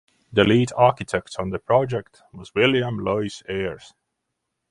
The lead architect on the project was William Louis Ayres.